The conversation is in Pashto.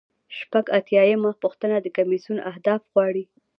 شپږ اتیا یمه پوښتنه د کمیسیون اهداف غواړي.